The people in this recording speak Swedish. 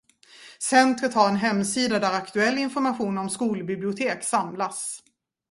Centret har en hemsida där aktuell information om skolbibliotek samlas.